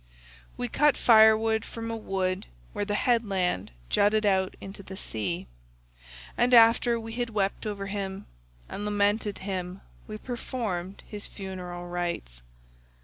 We cut firewood from a wood where the headland jutted out into the sea, and after we had wept over him and lamented him we performed his funeral rites.